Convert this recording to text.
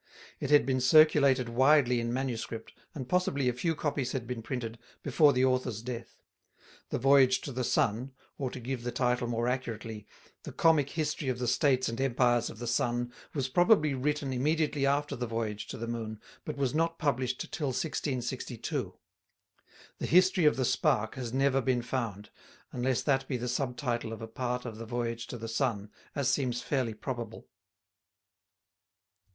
It had been circulated widely in manuscript, and possibly a few copies had been printed, before the author's death. The Voyage to the Sun, or, to give the title more accurately, the "Comic History of the States and Empires of the Sun," was probably written immediately after the Voyage to the Moon, but was not published till 1662. The History of the Spark has never been found, unless that be the subtitle of a part of the Voyage to the Sun, as seems fairly probable.